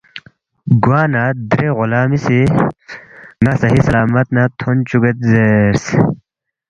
گوانہ درے غلامی سی ن٘ا صحیح سلامت نہ تھون چُوکسید زیرس